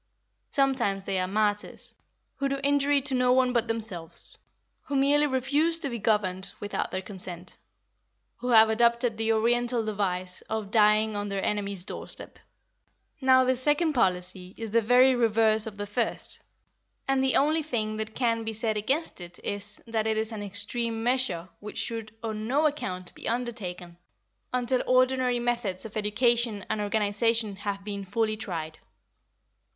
Sometimes they are martyrs, who do injury to no one but themselves; who merely refuse to be governed without their consent; who have adopted the Oriental device of dying on their enemy's doorstep. Now this second policy is the very reverse of the first, and the only thing that can be said against it is, that it is an extreme measure which should on no account be undertaken, until ordinary methods of education and organisation have been fully tried.